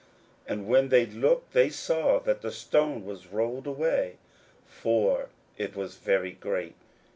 41:016:004 And when they looked, they saw that the stone was rolled away: for it was very great.